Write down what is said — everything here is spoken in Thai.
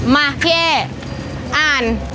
มาพี่เอ๊อ่าน